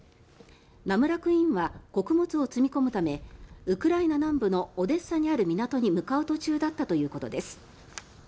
「ナムラ・クイーン」は穀物を積み込むためウクライナ南部のオデッサにある港に向かう途中だったということです。